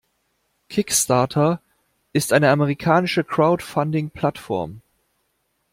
Kickstarter ist eine amerikanische Crowdfunding-Plattform.